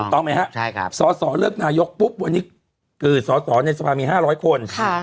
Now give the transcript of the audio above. ต้องไหมครับสสเลือกนายกปุ๊บวันนี้คือสอสอในสภามี๕๐๐คน